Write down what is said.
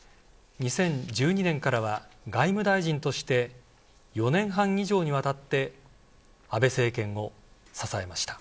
２０１２年からは外務大臣として４年半以上にわたって安倍政権を支えました。